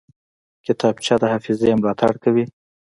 کتابچه د حافظې ملاتړ کوي